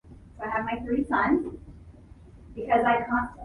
She also rules protection, trees, protection of trees, knowledge, creativity.